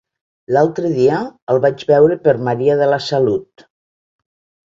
L'altre dia el vaig veure per Maria de la Salut.